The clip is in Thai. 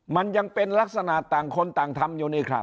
มันยังเป็นลักษณะต่างคนต่างทำอยู่นี่ครับ